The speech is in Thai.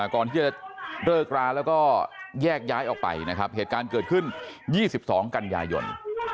ก่อนที่จะเลิกราแล้วก็แยกย้ายออกไปนะครับเหตุการณ์เกิดขึ้น๒๒กันยายน